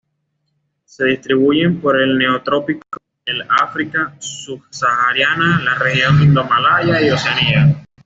Se distribuyen por el Neotrópico, el África subsahariana, la región indomalaya y Oceanía.